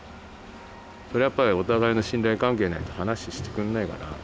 それはやっぱりお互いの信頼関係ないと話してくんないから。